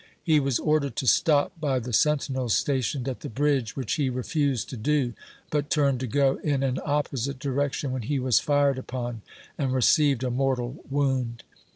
He was ordered to stop by the sentinels stationed at the bridge, which he refused to do, but turned to go in an opposite direction, when he was fired upon, and received a mortal wound.